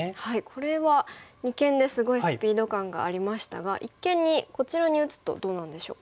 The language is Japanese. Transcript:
これは二間ですごいスピード感がありましたが一間にこちらに打つとどうなんでしょうか。